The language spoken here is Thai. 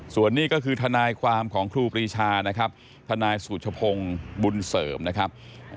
ส่วนนี้ก็คือทนายความของครูปรีชานะครับทนายสุชพงศ์บุญเสริมนะครับ